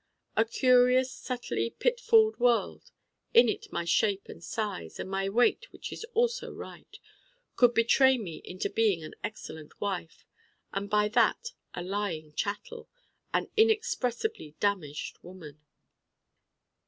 A curious subtly pitfalled world: in it my Shape and Size, and my Weight which is also Right, could betray me into being an excellent wife: and by that a lying chattel, an inexpressibly damaged woman.